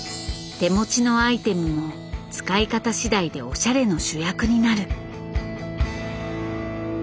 手持ちのアイテムも使い方次第でおしゃれの主役になる。